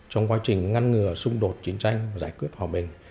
trong quá trình ngăn ngừa xung đột chiến tranh và giải quyết hòa bình